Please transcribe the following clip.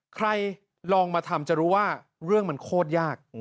ใครลองมาทำจะรู้ว่าเรื่องมันโคตรยาก